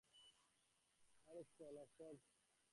পদ্মহস্ত তোমার পানে এমনি চুন মাখিয়ে দেবে যে, পোড়ার মুখ আবার পুড়বে।